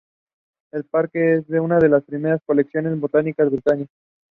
Coyotes, bats, and badgers are among the park's other mammals.